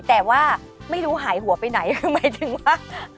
แต่ว่าไม่รู้หายหัวไปไหนคือหมายถึงว่า